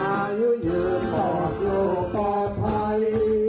อายุเยอะปอดโลกต่อไป